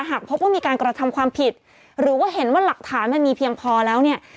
หากพบว่ามีการกระทำความผิดหรือว่าเห็นว่าหลักฐานมันมีเพียงพอแล้วเนี่ย